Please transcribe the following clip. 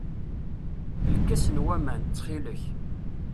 Lkas n waman, ttxil-k.